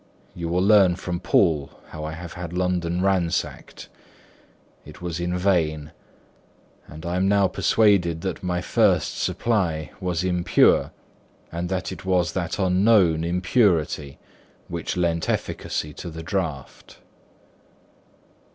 You will learn from Poole how I have had London ransacked; it was in vain; and I am now persuaded that my first supply was impure, and that it was that unknown impurity which lent efficacy to the draught.